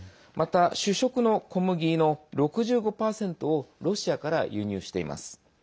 また、主食の小麦の６５％をロシアから輸入しています。